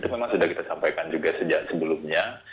itu memang sudah kita sampaikan juga sejak sebelumnya